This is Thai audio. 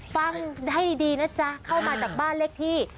ฟังให้ดีนะจ๊ะเข้ามาจากบ้านเลขที่